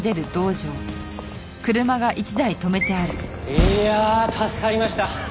いやあ助かりました。